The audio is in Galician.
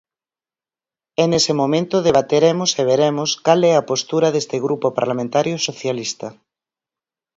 E nese momento debateremos e veremos cal é a postura deste Grupo Parlamentario Socialista.